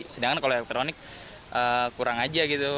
sedangkan kalau elektronik kurang aja gitu